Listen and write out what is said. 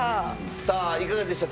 さあいかがでした？